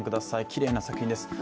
きれいな作品です。